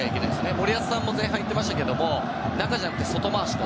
森保さんも前半言っていましたが中じゃなくて、外回しと。